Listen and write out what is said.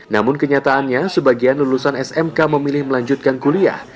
namun kenyataannya sebagian lulusan smk memilih melanjutkan kuliah